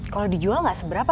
kalau dijual gak seberapa